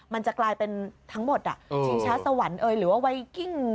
มันจะกลายเป็นทั้งหมดชิงช้าสวรรค์หรือว่าไวกิ้ง